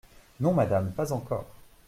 Non, Madame, pas encore.